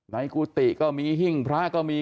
กุฏิก็มีหิ้งพระก็มี